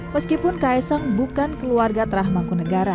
meskipun ksng bukan keluarga terah mangku negara